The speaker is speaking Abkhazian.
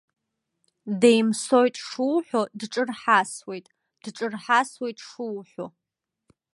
Деимсоит шуҳәо, дҿырҳасуеит, дҿырҳасуеит шуҳәо.